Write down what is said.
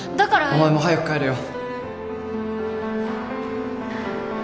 お前も早く帰れよ。